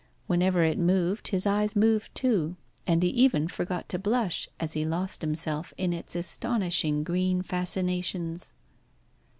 Whenever it moved his eyes moved too, and he even forgot to blush as he lost himself in its astonishing green fascinations.